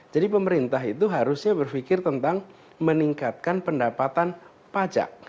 jadi pemerintah itu harusnya berpikir tentang meningkatkan pendapatan pajak